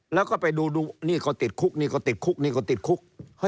แล้วก็ไปดูนี่เขาติดคุกนี่เขาติดคุกนี่เขาติดคุก